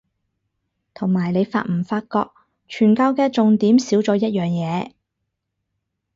同埋你發唔發覺傳教嘅重點少咗一樣嘢